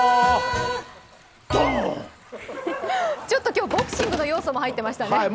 ちょっと今日ボクシングの要素も入ってきましたね。